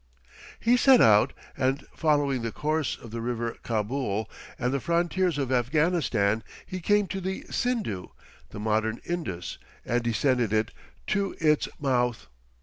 He set out, and following the course of the river Kabul and the frontiers of Afghanistan, he came to the Sindhu, the modern Indus, and descended it to its mouth.